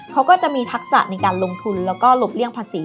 เขาก็จะมีทักษะในการลงทุนแล้วก็หลบเลี่ยงภาษี